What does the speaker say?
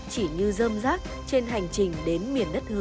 chỉ như dơm rác trên hành trình đến miền đất hứa